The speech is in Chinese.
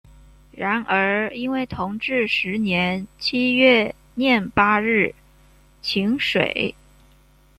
然而因为同治十年七月廿八日请水。